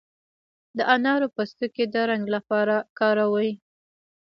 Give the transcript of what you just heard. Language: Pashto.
د انارو پوستکي د رنګ لپاره کاروي.